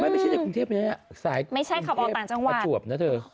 ไม่ไม่ใช่ในกรุงเทพเลยแหละใส่กรุงเทพอาจวบนะเถอะ